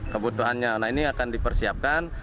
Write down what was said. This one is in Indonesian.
kebutuhannya nah ini akan dipersiapkan